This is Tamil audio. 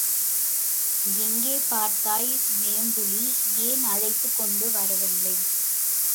எங்கே பார்த்தாய் வேம்புலி? ஏன் அழைத்துக் கொண்டு வரவில்லை?